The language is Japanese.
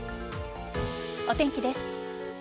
お天気です。